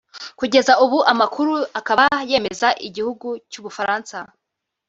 kugeza ubu amakuru akaba yemeza igihugu cy’ubufaransa